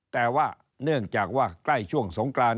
แต่ว่าเนื่องจากว่าใกล้ช่วงสงกราน